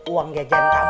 uang jajan kamu